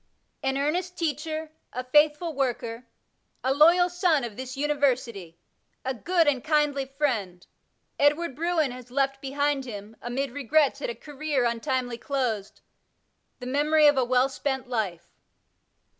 An earnest teacher, a faithful worker, a loyal son of this University, a good and kindly friend, Edward Bruen has left behind him, amid regrets at a career untimely closed, the memory of a well spent life.